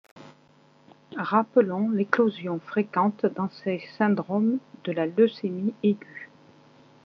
Rappelons l'éclosion fréquente, dans ces syndromes, de la leucémie aiguë.